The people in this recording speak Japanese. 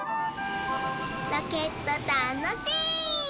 ロケットたのしい！